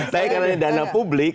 saya karena dana publik